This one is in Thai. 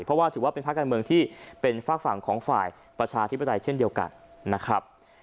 เพราะว่าถือว่าเป็นภาคการเมืองที่เป็นฝากฝั่งของฝ่ายประชาธิปไตยเช่นเดียวกันนะครับ